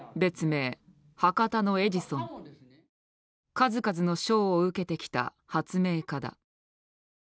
数々の賞を受けてきた発明家だ。